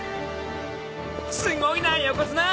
すごいな横綱！